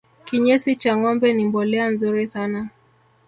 kinyesi cha ngombe ni mbolea nzuri sana